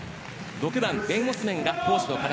６番、ベンオスメンが攻守の要。